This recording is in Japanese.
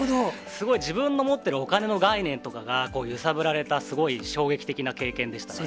すごい、自分の持ってるお金の概念とかが、揺さぶられた、すごい衝撃的な経験でしたね。